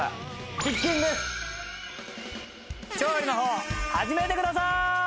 調理の方始めてくださーい！